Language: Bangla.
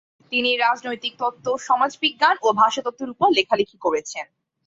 তিনি রাজনৈতিক তত্ত্ব, সমাজবিজ্ঞান ও ভাষাতত্ত্বের ওপর লেখালিখি করেছেন।